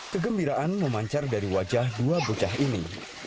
kegembiraan memancar dari wajah dua bocah ini